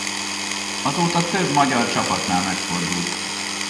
Azóta több magyar csapatnál megfordult.